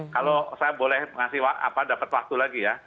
kalau saya boleh dapat waktu lagi ya